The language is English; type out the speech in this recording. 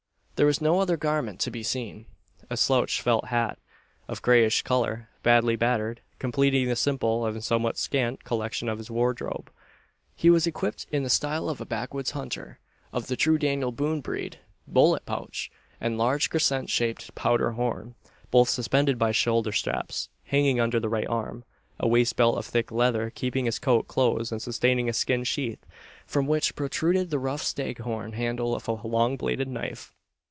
There was no other garment to be seen: a slouch felt hat, of greyish colour, badly battered, completing the simple, and somewhat scant, collection of his wardrobe. He was equipped in the style of a backwoods hunter, of the true Daniel Boone breed: bullet pouch, and large crescent shaped powder horn, both suspended by shoulder straps, hanging under the right arm; a waist belt of thick leather keeping his coat closed and sustaining a skin sheath, from which protruded the rough stag horn handle of a long bladed knife.